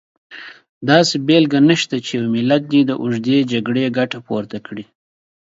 داسې بېلګه نشته چې یو ملت دې له اوږدې جګړې ګټه پورته کړي.